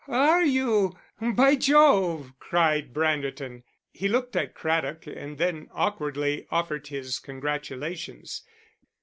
"Are you, by Jove!" cried Branderton; he looked at Craddock and then, awkwardly, offered his congratulations.